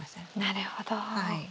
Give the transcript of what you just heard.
なるほど。